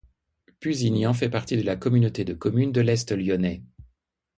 Pusignan fait partie de la communauté de communes de l'Est Lyonnais.